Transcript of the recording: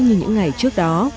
như những ngày trước đó